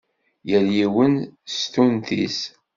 Yal yiwen s tunt-is.